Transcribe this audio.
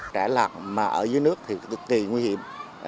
trẻ lạc mà ở dưới nước thì cực kỳ nguy hiểm